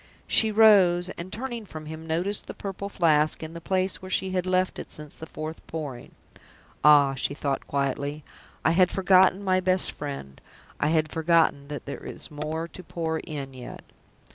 She rose, and, turning from him, noticed the Purple Flask in the place where she had left it since the fourth Pouring. "Ah," she thought, quietly, "I had forgotten my best friend I had forgotten that there is more to pour in yet."